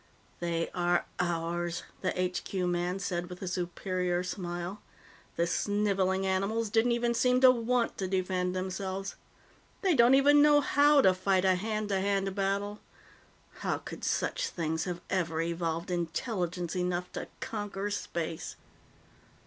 "They are ours," the HQ spy said with a superior smile. "The sniveling animals didn't even seem to want to defend themselves. They don't even know how to fight a hand to hand battle. How could such things have ever evolved intelligence enough to conquer space?"